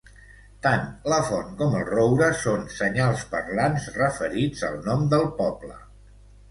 Tant la font com el roure són senyals parlants referits al nom del poble.